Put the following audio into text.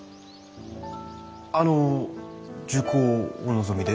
あの受講をお望みで？